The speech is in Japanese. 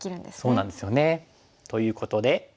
そうなんですよね。ということで。